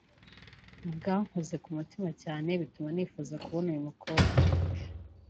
bwankoze ku mutima cyane bituma nifuza kubona uyu mukobwa